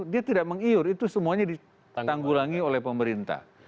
dia tidak mengiur itu semuanya ditanggulangi oleh pemerintah